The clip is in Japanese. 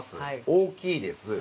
大きいです